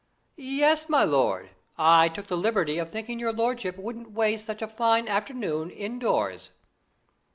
"Yes, my lord. I took the liberty of thinking your lordship wouldn't waste such a fine afternoon indoors."